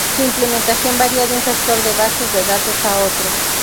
Su implementación varía de un gestor de bases de datos a otro.